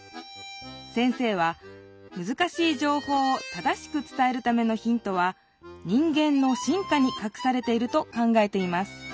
先生はむずかしいじょうほうを正しく伝えるためのヒントは人間の進化にかくされていると考えています